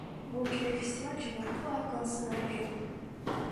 Бул кинофестиваль жогорку А классына ээ.